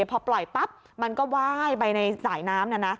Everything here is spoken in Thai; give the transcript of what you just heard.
พอปล่อยปั๊บมันก็ไหว้ไปในสายน้ำ